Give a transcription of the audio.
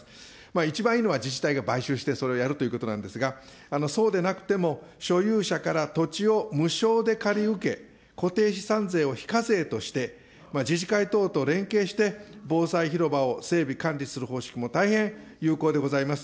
一番いいのは自治体が買収してそれをやるということなんですが、そうでなくても、所有者から土地を無償で借り受け、固定資産税を非課税として、自治会等と連携して防災広場を整備、管理する方式も大変有効でございます。